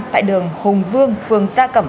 tại đường hùng vương phường gia cẩm